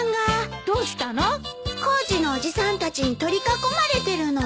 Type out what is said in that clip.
工事のおじさんたちに取り囲まれてるの。